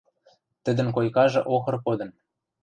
Тӹдӹн койкажы охыр кодын.